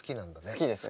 好きですね。